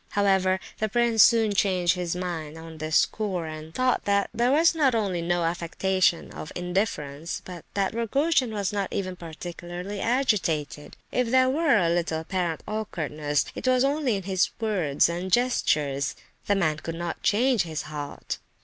However, the prince soon changed his mind on this score, and thought that there was not only no affectation of indifference, but that Rogojin was not even particularly agitated. If there were a little apparent awkwardness, it was only in his words and gestures. The man could not change his heart.